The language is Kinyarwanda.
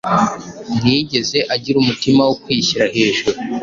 ntiyigeze agira umutima wo kwishyira hejuru.